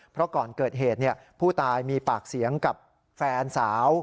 เพราะก่อนเกิดเหตุผู้ตายมีปากเสียงกับแฟนสาว